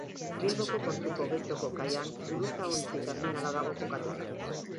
Bilboko portuko Getxoko kaian gurutzaontzi terminala dago kokatuta.